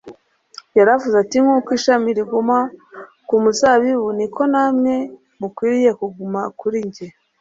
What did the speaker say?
Yaravuze ati: nk'uko ishami riguma ku muzabibu niko namwe mukwiriye kuguma kuri njye.